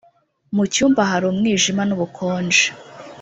Mu cyumba hari umwijima nubukonje